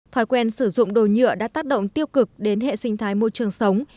thói quen sử dụng đồ nhựa đã tác động tiêu cực đến hệ sinh thái môi trường sống